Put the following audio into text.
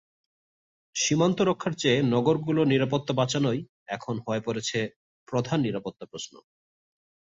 সীমান্ত রক্ষার চেয়ে নগরগুলোর নিরাপত্তা বাঁচানোই এখন হয়ে পড়েছে প্রধান নিরাপত্তা প্রশ্ন।